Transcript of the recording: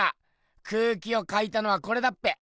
空気を描いたのはこれだっぺ。